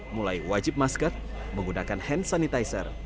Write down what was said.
mulai wajib masker menggunakan hand sanitizer